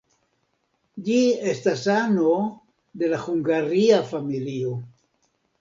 Ĝi estas ano de la hungaria familio.